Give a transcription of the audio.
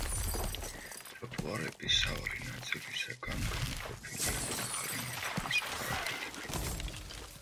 ტროტუარები სავალი ნაწილისაგან გამოყოფილია მაღალი მეტალის პარაპეტებით.